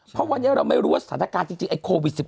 เพราะวันนี้เราไม่รู้ว่าสถานการณ์จริงไอ้โควิด๑๙